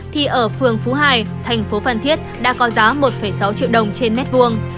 thì ở phường phú hải thành phố phan thiết đã có giá một sáu triệu đồng trên mét vuông